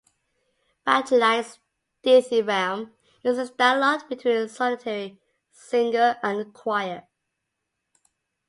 Bacchylides' dithyramb is a dialogue between a solitary singer and a choir.